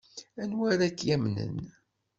Anwa ara k-yamnen?